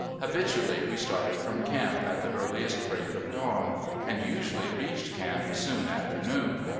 Habitually we started from camp at the earliest break of dawn, and usually reached camp soon after noon.